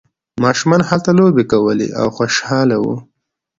ماشومان هلته لوبې کولې او خوشحاله وو.